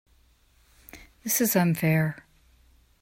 This is unfair.